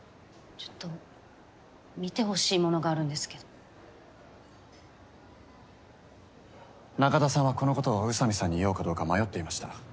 ちょっと見てほしいものがあるんですけど中田さんはこのことを宇佐美さんに言おうかどうか迷っていました。